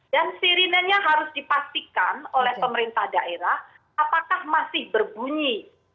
dan sirinenya harus dipastikan oleh pemerintah daerah apakah masih berbunyi